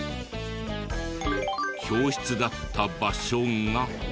教室だった場所が。